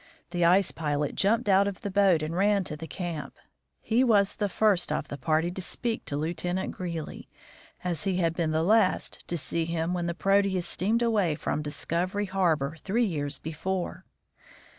The ice pilot jumped out of the boat and ran to the camp. He was the first of the party to speak to Lieutenant Greely, as he had been the last to see him when the Proteus steamed away from Discov ery harbor three years before.